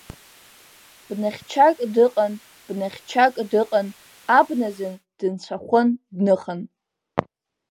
Бнахьчак дыҟан, бнахьчак дыҟан, абназын дынцәахәын, дныхан.